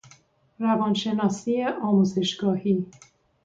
روان شناسی آموزشگاهی